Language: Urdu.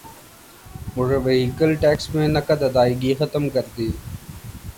موٹر وہیکل ٹیکس میں نقد ادائیگی ختم کردی